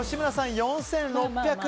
４６００円。